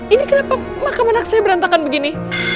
ini kenapa makam anak saya berantakan begini